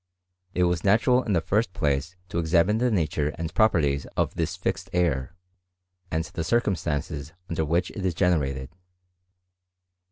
It was natural in the first place to examine the nature and properties of this fixed air, and the circumstances under which it is gene lated.